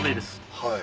はい。